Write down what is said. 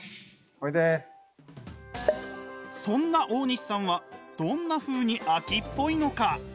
そんな大西さんはどんなふうに飽きっぽいのか？